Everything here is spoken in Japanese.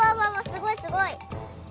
すごいすごい！